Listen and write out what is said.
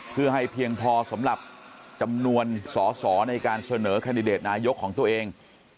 เพื่อให้เพียงพอสำหรับจำนวนสอสอในการเสนอแคนดิเดตนายกของตัวเอง